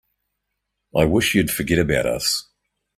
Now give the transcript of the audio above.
I wish you'd forget about us.